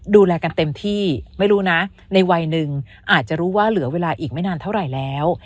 ดูแลกันเต็มที่ไม่รู้นะในวัยหนึ่งอาจจะรู้ว่าเหลือเวลาอีกไม่นานเท่าไหร่แล้ว